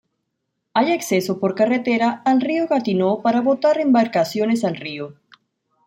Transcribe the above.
Hay acceso por carretera al Río Gatineau para botar embarcaciones al río.